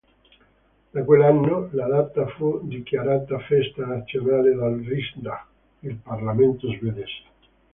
Da quell'anno la data fu dichiarata festa nazionale dal Riksdag, il Parlamento svedese.